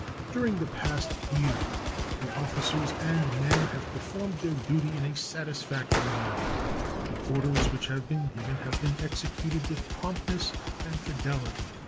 During the past year the officers and men have performed their duty in a satisfactory manner. The orders which have been given have been executed with promptness and fidelity.